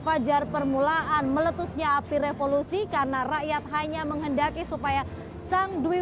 merupakan fajar permulaan meletusnya api revolusi karena rakyat hanya menghendaki supaya sangdui